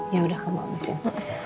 yaudah kamu apisin